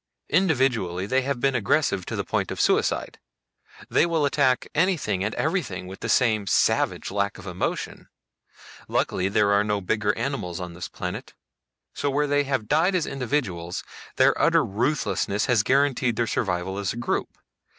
"Individually, they have been aggressive to the point of suicide. They will attack anything and everything with the same savage lack of emotion. Luckily there are no bigger animals on this planet. So where they have died as individuals, their utter ruthlessness has guaranteed their survival as a group.